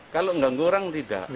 kalau enggak ngurang tidak